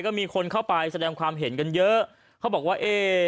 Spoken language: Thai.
ก็มีคนเข้าไปแสดงความเห็นกันเยอะเขาบอกว่าเอ๊